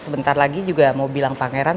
sebentar lagi juga mau bilang pangeran